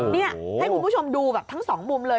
นี่ให้คุณผู้ชมดูแบบทั้งสองมุมเลย